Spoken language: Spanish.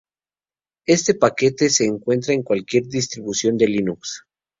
Este paquete se encuentra en cualquier distribución de Linux.